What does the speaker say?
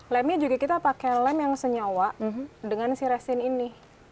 lemnya juga kita pakai lem yang senyawa dengan si resin ini